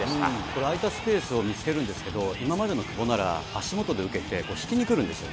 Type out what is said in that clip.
これ、空いたスペースを見つけるんですけど、今までの久保なら、足元で受けて、引きに来るんですね。